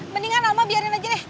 mendingan alma biarin aja deh